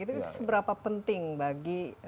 itu seberapa penting bagi